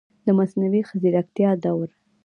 د مصنوعي ځیرکتیا دور